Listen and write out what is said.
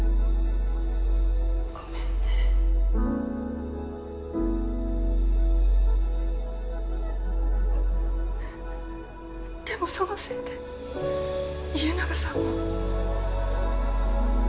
ごめんねでもそのせいで家長さんは。